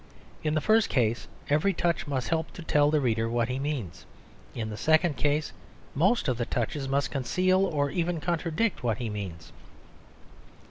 In the first case, every touch must help to tell the reader what he means; in the second case, most of the touches must conceal or even contradict what he means.